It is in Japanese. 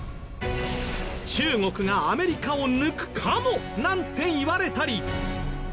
中国がアメリカを抜くかも！？なんていわれたり。